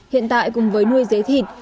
hiện tại cùng với nuôi dế thịt